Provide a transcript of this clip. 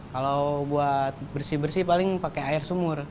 kalau buat bersih bersih paling pakai air sumur